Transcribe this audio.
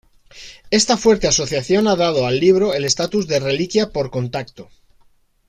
Esta fuerte asociación ha dado al libro el estatus de reliquia por contacto.